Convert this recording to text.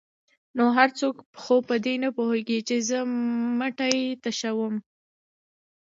ـ نو هر څوک خو په دې نه پوهېږي چې زه مټۍ تشوم.